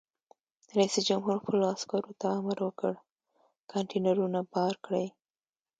رئیس جمهور خپلو عسکرو ته امر وکړ؛ کانټینرونه بار کړئ!